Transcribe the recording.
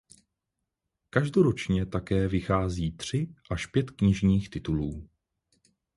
Každoročně také vychází tři až pět knižních titulů.